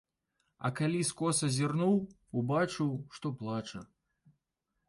А калі скоса зірнуў, убачыў, што плача.